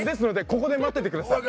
ここで待っててください。